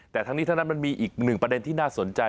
แต่ทั้งนี้ทั้งนั้นมันมีอีกหนึ่งประเด็นที่น่าสนใจ